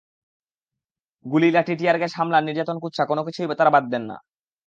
গুলি, লাঠি, টিয়ারগ্যাস, হামলা, নির্যাতন, কুৎসা—কোনো কিছুই তাঁরা বাদ দেন না।